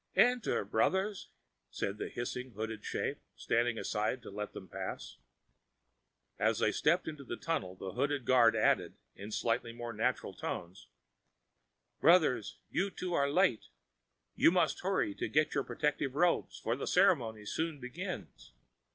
"Enter, brothers," said the hissing, hooded shape, standing aside to let them pass. As they stepped into the tunnel, the hooded guard added in slightly more natural tones, "Brothers, you two are late. You must hurry to get your protective robes, for the ceremony soon begins."